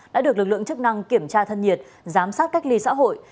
đã được lực lượng chức năng kiểm tra thân nhiệt giám sát cách ly xã hội